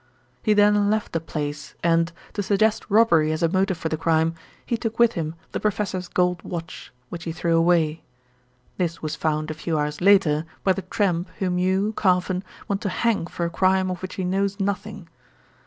He then left the place and, to suggest robbery as a motive for the crime, he took with him the professor's gold watch, which he threw away. This was found a few hours later by the tramp whom you, Carfon, want to hang for a crime of which he knows nothing."